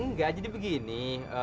nggak jadi begini